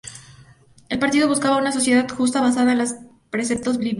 El partido buscaba una sociedad justa basada en las preceptos bíblicos.